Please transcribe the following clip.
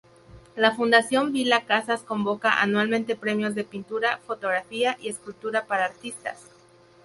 La Fundación Vila Casas convoca anualmente premios de pintura, fotografía y escultura para artistas.